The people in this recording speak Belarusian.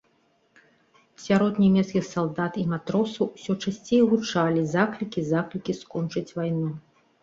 Сярод нямецкіх салдат і матросаў, усё часцей гучалі заклікі заклікі скончыць вайну.